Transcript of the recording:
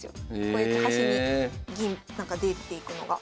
こうやって端に銀出ていくのが。